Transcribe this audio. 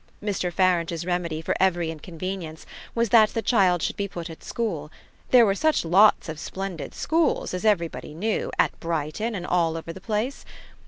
Mr. Farange's remedy for every inconvenience was that the child should be put at school there were such lots of splendid schools, as everybody knew, at Brighton and all over the place.